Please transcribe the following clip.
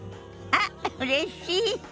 あっうれしい。